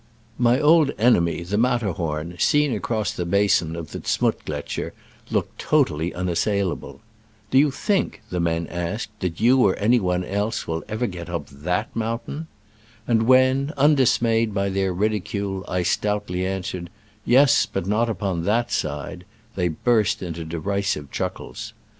My old enemy, the Matterhorn, seen across the basin of the Z'Muttgletscher, looked totally unassailable. " Do you think," the men asked, "that you or any Digitized by Google ii8 SCRAMBLES AMONGST THE ALPS IN i86o »69. one else will ever get up that moun tain ?" And when, undismayed by their ridicule, I stoutly answered, "Yes, but not upon that side," they burst into derisive chuckles.